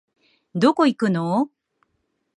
どこ行くのお